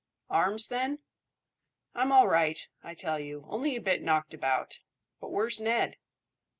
"Arms, then?" "I'm all right, I tell you, only a bit knocked about; but where's Ned?"